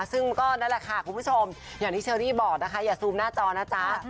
ซึ่งก็นั่นแหละค่ะคุณผู้ชมอย่างที่เชอรี่บอกนะคะอย่าซูมหน้าจอนะจ๊ะ